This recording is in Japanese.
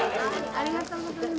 ありがとうございます。